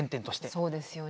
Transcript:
そうですよね。